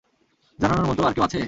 জানানোর মতো আর কেউ আছে?